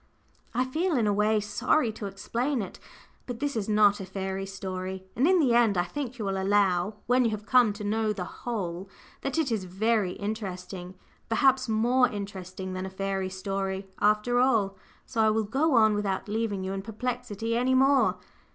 I feel in a way sorry to explain it. But this is not a fairy story; and in the end I think you will allow, when you have come to know the whole, that it is very interesting, perhaps more interesting than a fairy story after all. So I will go on without leaving you in perplexity any more.